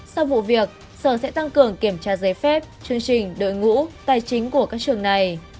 sau vụ việc sở sẽ tăng cường kiểm tra giấy phép chương trình đội ngũ tài chính của các trường này